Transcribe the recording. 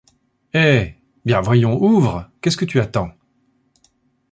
Eh ! Bien, voyons, ouvre ! Qu’est-ce que tu attends ?